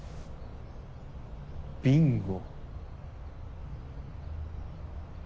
ビンゴ。